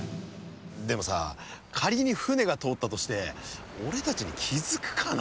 でもさ仮に船が通ったとして俺たちに気付くかな？